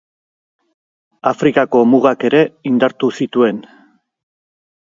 Afrikako mugak ere indartu zituen.